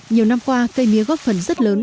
nhiều năm qua cây mía góp phần rất lớn